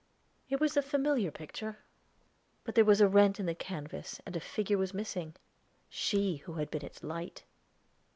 It was a familiar picture; but there was a rent in the canvas and a figure was missing she who had been its light!